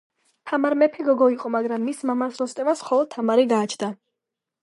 თამარ მეფე გოგო იყო მაგრამ მის მამას როსტევანს მხოლოდ თამარი გააჩნდა.